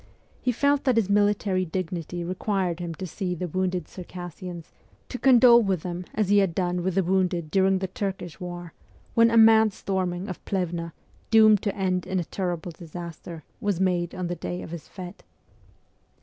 He felt that his military dignity required him to see the wounded Circassians, to condole with them as he had done with the wounded during the Turkish war, when a mad storming of Plevna, doomed to end in a terrible disaster, was made on the day of his fete.